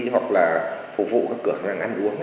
hoặc là phục vụ các cửa hàng ăn uống